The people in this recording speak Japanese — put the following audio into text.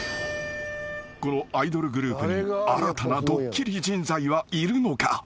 ［このアイドルグループに新たなドッキリ人材はいるのか？］